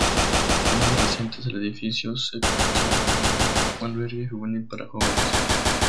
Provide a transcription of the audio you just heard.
En años recientes el edificio se convirtió en un Albergue juvenil para jóvenes.